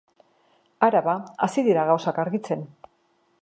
Hara bada, hasi dira gauzak argitzen.